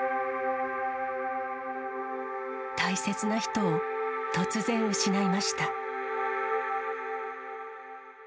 大切な人を突然失いました。